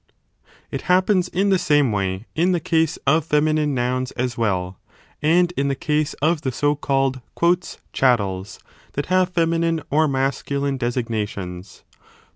It happens in the same way in the case of feminine nouns as well, and in the case of the so called chattels that have feminine or masculine designations.